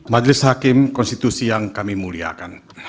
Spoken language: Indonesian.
majelis hakim konstitusi yang kami muliakan